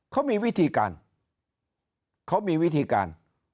เขามีวิธีการเขามีวิธีการ